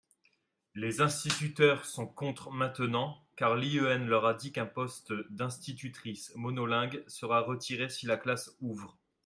Les instituteurs sont contre maintenant car l’IEN leur a dit qu’un poste d’institutrice monolingue sera retiré si la classe ouvre.